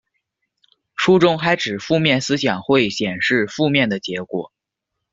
书中还指负面思想会显示负面的结果。